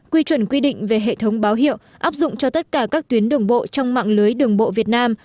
quy chuẩn quy định về hệ thống báo hiệu áp dụng cho tất cả các tuyến đường bộ trong mạng lưới đường bộ việt nam